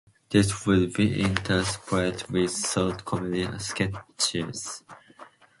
These would be interspersed with short comedy sketches.